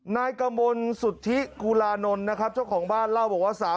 นายกมลสุทธิกุลานนท์นะครับเจ้าของบ้านเล่าบอกว่า